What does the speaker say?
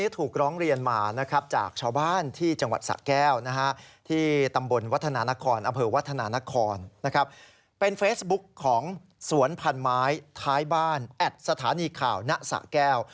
ท่านไม้ท้ายบ้านแอดสถานีข่าวณสะแก้ว